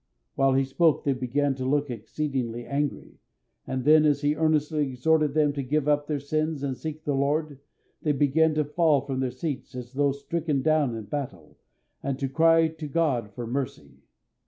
While he spoke they began to look exceedingly angry, and then, as he earnestly exhorted them to give up their sins and seek the Lord, they began to fall from their seats as though stricken down in battle, and to cry to God for mercy.